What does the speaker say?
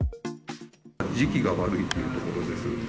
時期が悪いというところです。